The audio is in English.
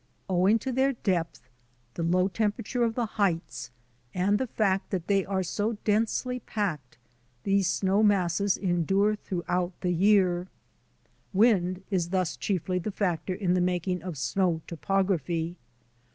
Owing to their depth, the low temperature of the heights, and the fact that they are so densely packed, these snow masses endure throughout the WINTER MOUNTAINEERING 53 year. Wind is thus the chief factor in the making of snow topography.